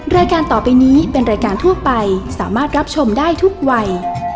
รายการต่อไปนี้เป็นรายการทั่วไปสามารถรับชมได้ทุกวัย